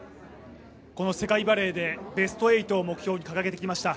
この世界バレーでベスト８を目標に掲げてきました。